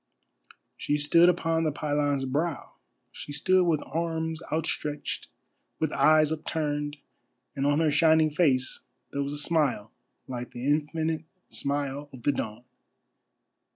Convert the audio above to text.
She stood upon the pylon's brow. She stood with arms outstretched, with eyes upturned, and on her shining face there was a smile like the infinite smile of the dawn.